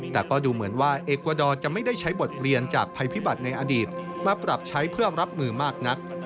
แต่ก็ดูเหมือนว่าเอกวาดอร์จะไม่ได้ใช้บทเรียนจากภัยพิบัติในอดีตมาปรับใช้เพื่อรับมือมากนัก